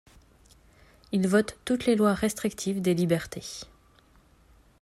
Il vote toutes les lois restrictives des libertés.